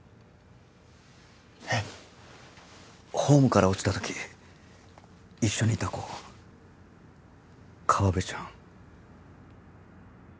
えッホームから落ちた時一緒にいた子河部ちゃん